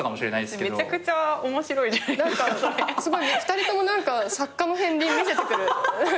２人とも何か作家の片りん見せてくる。